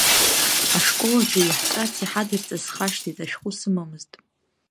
Ашкол аҿы иаҳҵарц иҳадырҵаз схашҭит, ашәҟәы сымамызт…